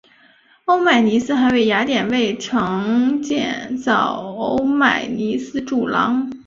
欧迈尼斯还为雅典卫城建造欧迈尼斯柱廊。